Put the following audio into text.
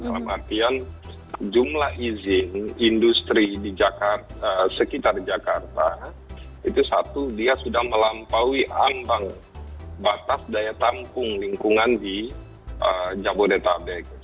dalam artian jumlah izin industri sekitar jakarta itu satu dia sudah melampaui ambang batas daya tampung lingkungan di jabodetabek